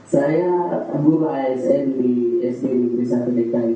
saya guru asm di sdi satu d